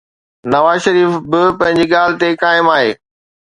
نواز شريف به پنهنجي ڳالهه تي قائم آهي.